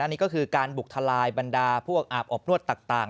นี่ก็คือการบุกทลายบรรดาพวกอาบอบนวดต่าง